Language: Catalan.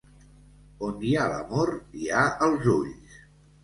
On hi ha l'amor, hi ha els ulls.